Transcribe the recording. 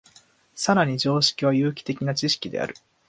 更に常識は有機的な知識である。